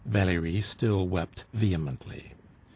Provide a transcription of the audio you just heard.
Valerie still wept vehemently.